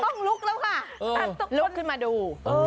ต้องลุกแล้วค่ะลุกขึ้นมาดู